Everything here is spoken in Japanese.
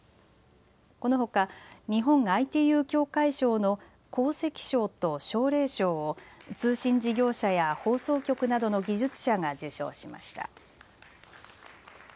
このほか日本ＩＴＵ協会賞の功績賞と奨励賞を通信事業者や放送局などの技術者が受賞しました。